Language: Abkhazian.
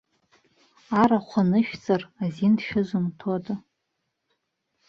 Арахә анышәҵар азин шәызымҭода?